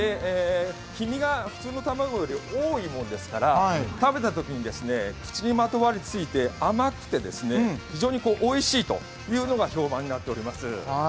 黄身が普通の卵より多いもんですから、食べたときに口にまとわりついて、甘くて非常においしいと評判になっています。